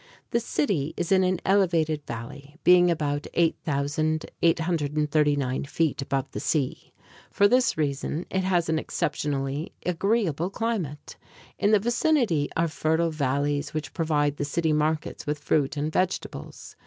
The city is in an elevated valley, being about 8,839 feet above the sea. For this reason it has an exceptionally agreeable climate. In the vicinity are fertile valleys which provide the city markets with fruits and vegetables.